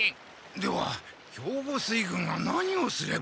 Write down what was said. では兵庫水軍は何をすれば？